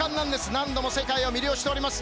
何度も世界を魅了しております。